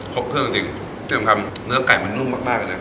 ครบขึ้นจริงจริงที่สำคัญเนื้อไก่มันนุ่มมากมากเลยเนี่ยค่ะ